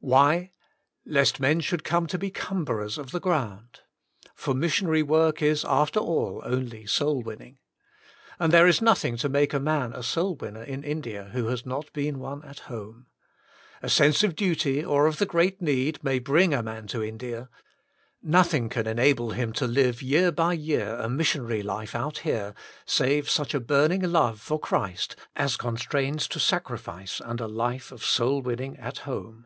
Why? Lest men should come to be cumberers of the ground. For Missionary Work Is after all, only Soul Winning. And there is nothing to make a man a soul winner in India Who Has not Been One at Home. A sense of duty, or of the great need, may Bring a man to India. Nothing can enable him to Live year by year a missionary Life out here, save such a burning love for Christ as Constrains to Sac rifice AND A Life of Soul Winning at Home.''